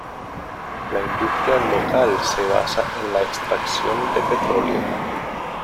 La industria local se basa en la extracción de petróleo.